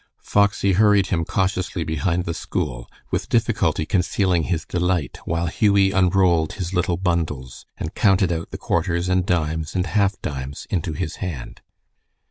Foxy hurried him cautiously behind the school, with difficulty concealing his delight while Hughie unrolled his little bundles and counted out the quarters and dimes and half dimes into his hand.